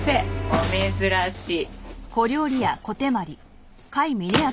お珍しい。